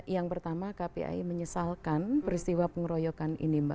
yang pertama kpi menyesalkan peristiwa pengeroyokan ini mbak